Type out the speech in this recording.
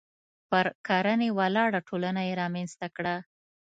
پر کرنې ولاړه ټولنه یې رامنځته کړه.